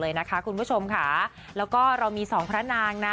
เลยนะคะคุณผู้ชมค่ะแล้วก็เรามีสองพระนางค่ะ